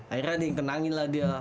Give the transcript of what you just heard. akhirnya dia yang kenangin lah dia